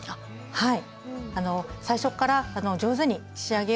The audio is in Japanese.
はい。